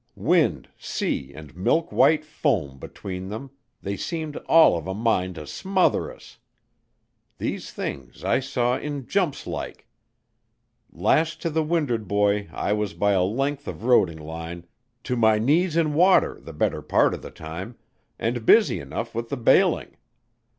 Wind, sea, and milk white foam between them they seemed all of a mind to smother us. These things I saw in jumps like. Lashed to the wind'ard buoy I was by a length of roding line, to my knees in water the better part of the time, and busy enough with the bailing.